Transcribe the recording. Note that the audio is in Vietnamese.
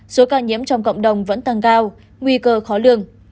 số ca nhiễm trong cộng đồng vẫn tăng cao nguy cơ khó lường